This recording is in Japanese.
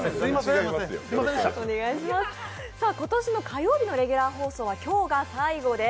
今年の火曜日のレギュラー放送は今日で最後です。